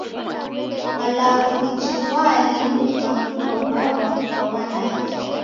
Malagho ghijighwaa linu ni gha kulow'orwa kwa w'anake.